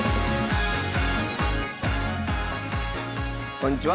こんにちは。